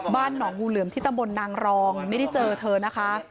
บ้านหนองงูเหลือมที่ตำบลนางรองไม่ได้เจอเธอนะคะ